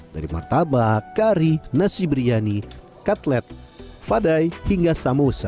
dari martabak kari nasi biryani katlet fadai hingga samosa